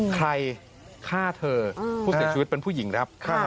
ใครฆ่าเธอผู้เสียชีวิตเป็นผู้หญิงครับ